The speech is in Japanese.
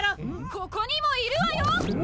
・ここにもいるわよ！